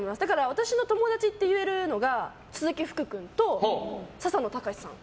私の友達って言えるのが鈴木福君と笹野高史さん。